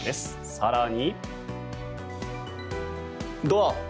更に。